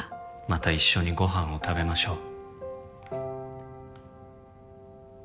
「また一緒にご飯を食べましょう」